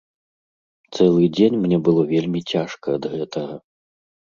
Цэлы дзень мне было вельмі цяжка ад гэтага.